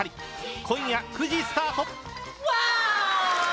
今夜９時スタート。